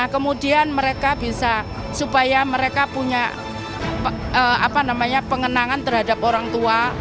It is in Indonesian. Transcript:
kemudian mereka bisa supaya mereka punya pengenangan terhadap orang tua